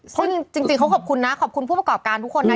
ซึ่งจริงเขาขอบคุณนะขอบคุณผู้ประกอบการทุกคนนะ